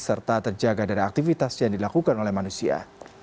serta terjaga dari aktivitas yang dilakukan oleh manusia